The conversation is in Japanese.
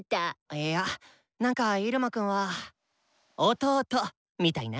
いや何かイルマくんは弟？みたいな。